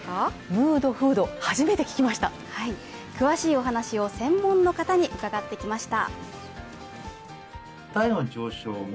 ムードフード、初めて聞きました詳しいお話を専門の方に伺ってきました。